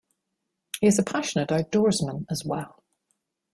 He is a passionate outdoorsman as well.